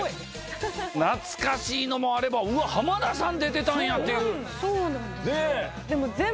懐かしいのもあればうわっ浜田さん出てたんやっていう。